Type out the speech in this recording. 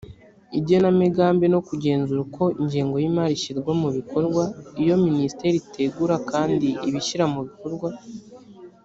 igenamigambi no kugenzura uko ingengo y imari ishyirwa mu bikorwa iyo minisiteri itegura kandi ibishyira mubikorwa